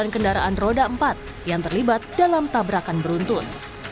sembilan kendaraan roda empat yang terlibat dalam tabrakan beruntun